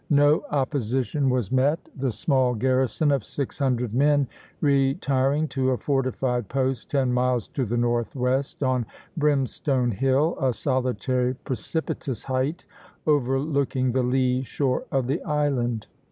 No opposition was met, the small garrison of six hundred men retiring to a fortified post ten miles to the northwest, on Brimstone Hill, a solitary precipitous height overlooking the lee shore of the island.